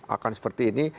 akan seperti ini